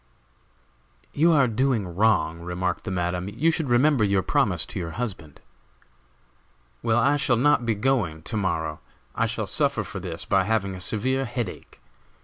"You are doing wrong," remarked the Madam; "you should remember your promise to your husband." "Well, I shall not be going to morrow. I shall suffer for this by having a severe head ache.